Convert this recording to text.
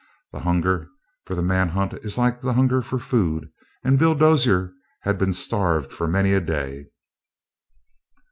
The hunger for the manhunt is like the hunger for food, and Bill Dozier had been starved for many a day.